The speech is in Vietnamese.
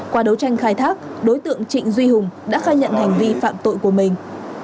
qua đấu tranh khai thác đối tượng trịnh duy hùng đã khai nhận hành vi phạm tội của mình